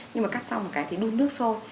nhưng mà cắt xong cái thì đun nước sôi